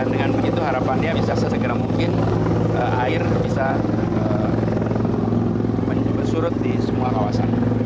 dengan begitu harapannya bisa sesegera mungkin air bisa surut di semua kawasan